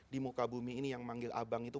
di muka bumi ini yang manggil abang itu